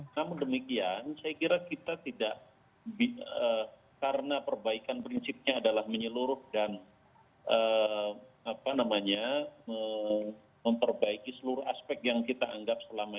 namun demikian saya kira kita tidak karena perbaikan prinsipnya adalah menyeluruh dan memperbaiki seluruh aspek yang kita anggap selama ini